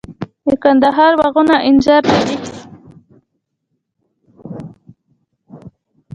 د کندهار باغونه انځر لري.